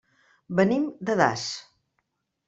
Venim de Das.